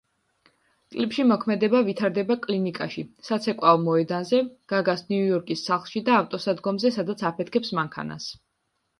კლიპში მოქმედება ვითარდება კლინიკაში, საცეკვაო მოედანზე, გაგას ნიუ-იორკის სახლში და ავტოსადგომზე სადაც აფეთქებს მანქანას.